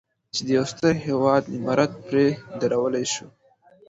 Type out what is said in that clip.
چې د یو ستر هېواد عمارت پرې درولی شو.